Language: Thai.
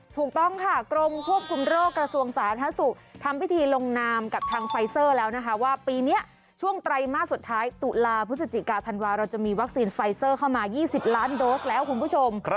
ถูกต้องค่ะกรมควบคุมโรคกระทรวงสาธารณสุขทำพิธีลงนามกับทางไฟเซอร์แล้วนะคะว่าปีนี้ช่วงไตรมาสสุดท้ายตุลาพฤศจิกาธันวาเราจะมีวัคซีนไฟเซอร์เข้ามา๒๐ล้านโดสแล้วคุณผู้ชม